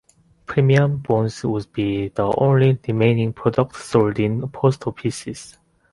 Premium Bonds would be the only remaining product sold in post offices.